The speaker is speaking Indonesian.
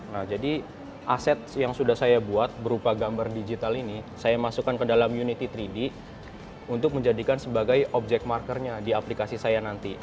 nah jadi aset yang sudah saya buat berupa gambar digital ini saya masukkan ke dalam unity tiga d untuk menjadikan sebagai objek markernya di aplikasi saya nanti